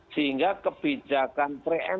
sehingga kami akan melakukan